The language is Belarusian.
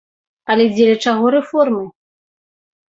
Але дзеля чаго рэформы?